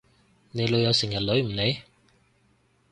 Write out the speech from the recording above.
你女友成日女唔你？